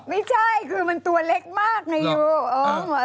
ไม่ใช่คือมันตัวเล็กมากไงอยู่